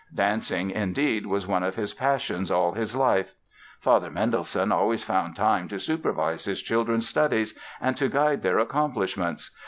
Dancing, indeed, was one of his passions all his life. Father Mendelssohn always found time to supervise his children's studies and to guide their accomplishments.